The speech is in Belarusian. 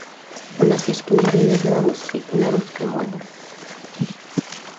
У нас ёсць кнігі і на беларускай, і на рускай мове.